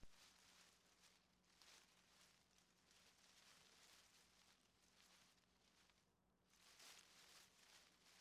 Звероподобный титан, покрытый шерстью и передвигающийся на четвереньках, обладает звериной силой и жестокостью.